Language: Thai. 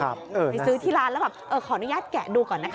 ไปซื้อที่ร้านแล้วแบบขออนุญาตแกะดูก่อนนะคะ